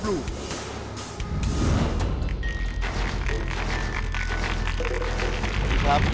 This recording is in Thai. สวัสดีครับ